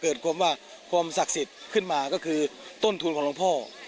ว่าความศักดิ์สิทธิ์ขึ้นมาก็คือต้นทุนของหลวงพ่อ